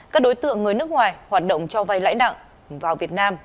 các đối tượng người nước ngoài hoạt động cho vay lãi nặng vào việt nam